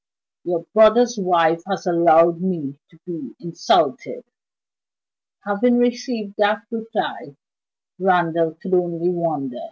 "Your brother's wife has allowed me to be insulted." Having received that reply, Randal could only wonder.